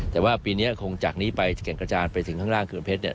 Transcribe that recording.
แต่ว่าปีนี้คงจากนี้ไปจะแก่งกระจานไปถึงข้างล่างเขื่อนเพชรเนี่ย